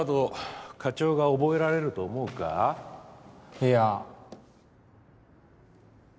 いや。